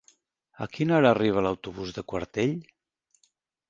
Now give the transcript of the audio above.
A quina hora arriba l'autobús de Quartell?